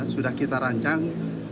sudah kita rancang